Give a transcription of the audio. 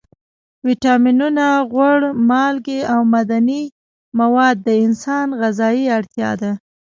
ویټامینونه، غوړ، مالګې او معدني مواد د انسان غذایي اړتیا ده.